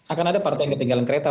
akan ada partai yang ketinggalan kereta